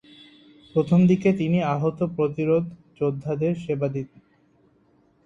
প্রথম দিকে তিনি আহত প্রতিরোধ যোদ্ধাদের সেবা দেন।